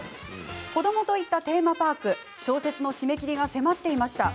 子どもと行ったテーマパーク小説の締め切りが迫っていました。